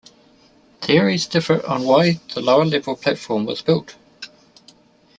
Theories differ on why the lower level platform was built.